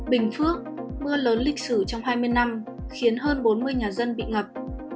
bình phước mưa lớn lịch sử trong hai mươi năm khiến hơn bốn mươi nhà dân bị ngập